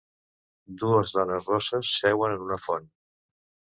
Dues dones rosses seuen en una font.